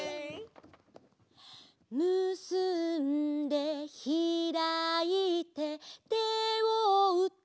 「むすんでひらいて手をうって」